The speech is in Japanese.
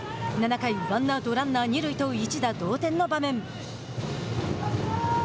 ７回、ワンアウトランナー二塁と一打同点の場面。